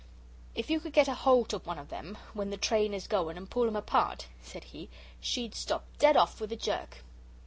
"If you could get a holt of one o' them when the train is going and pull 'em apart," said he, "she'd stop dead off with a jerk."